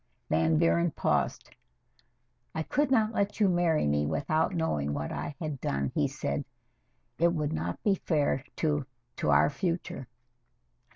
Van Buren paused. "I could not let you marry me without knowing what I had done," he said. "It would not be fair to to our future."